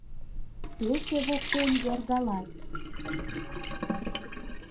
Пече воктен йоргалат.